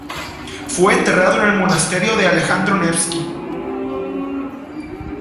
Fue enterrado en el monasterio de Alejandro Nevski.